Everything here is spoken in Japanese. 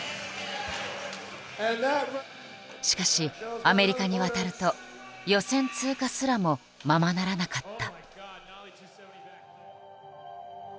しかしアメリカに渡ると予選通過すらもままならなかった。